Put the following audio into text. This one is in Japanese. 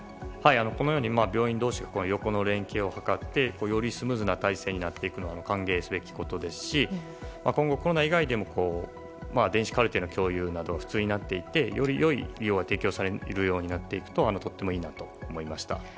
このように病院同士が横の連携を図ってよりスムーズな体制になっていくのは歓迎すべきことですし今後コロナ以外でも電子カルテの共有などが普通になっていってより良い医療が提供されるようになっていくととってもいいなと思いました。